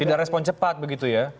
tidak respon cepat begitu ya